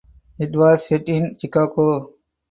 It was set in Chicago.